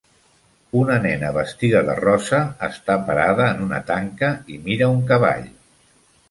Una nena vestida de rosa està parada en una tanca i mira un cavall.